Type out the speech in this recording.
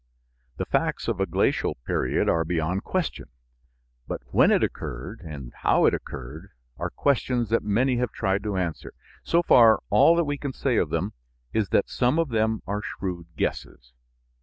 The facts of a glacial period are beyond question, but when it occurred, and how it occurred are questions that many have tried to answer. So far, all that we can say of them is that some of them are shrewd guesses.